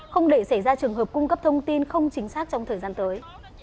không để xảy ra trường hợp cung cấp thông tin không chính xác trong thời gian tới